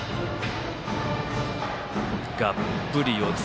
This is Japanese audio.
がっぷり四つ。